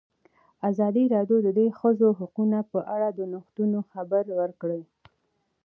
ازادي راډیو د د ښځو حقونه په اړه د نوښتونو خبر ورکړی.